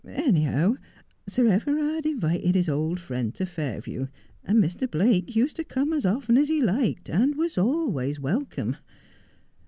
Anyhow, Sir Everard invited his old friend to Fairview, and Mr. Blake used to come as often as he liked, and was always welcome.